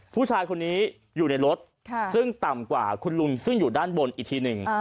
ผู้ชายคนนี้อยู่ในรถซึ่งต่ำกว่าคุณลุงซึ่งอยู่ด้านบนอีกทีหนึ่ง